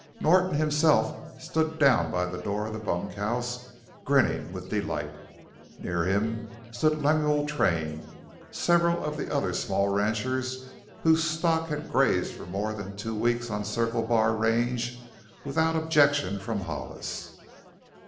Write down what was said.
Norton himself stood down by the door of the bunkhouse, grinning with delight. Near him stood Lemuel Train, and several of the other small ranchers whose stock had grazed for more than two weeks on the Circle Bar range without objection from Hollis.